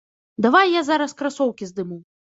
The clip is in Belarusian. Давай я зараз красоўкі здыму.